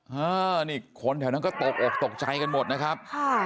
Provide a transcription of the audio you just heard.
คนอากาศแถวนั้นก็ตกใจกันหมดนะครับ